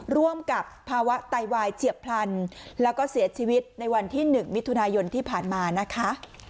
ร่วมกับภาวะไตวายเฉียบพลันแล้วก็เสียชีวิตในวันที่๑มิถุนายนที่ผ่านมานะคะ